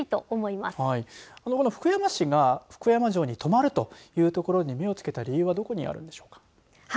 福山市が福山城に泊まるというところに目をつけた理由はどこにあるんでしょうか。